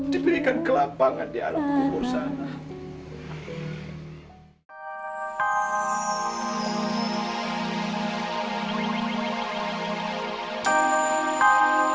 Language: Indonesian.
diberikan kelampangan di alam kubur sana